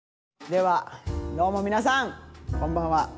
ではどうも皆さんこんばんは。